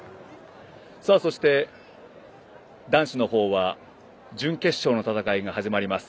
そして、男子のほうは準決勝の戦いが始まります。